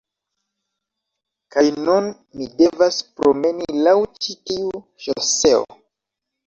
kaj nun mi devas promeni laŭ ĉi tiu ŝoseo.